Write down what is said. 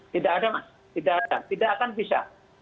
tidak ada mas tidak ada tidak akan bisa